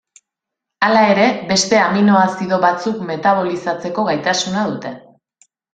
Hala ere, beste aminoazido batzuk metabolizatzeko gaitasuna dute.